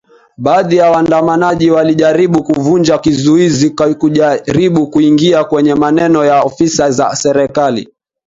baadhi ya waandamanaji walijaribu kuvunja kizuizi kujaribu kuingia kwenye maeneo ya ofisi za serikali